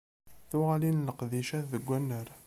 Tuɣalin n leqdicat deg unnar.